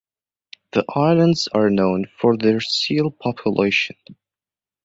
The islands are known for their seal population.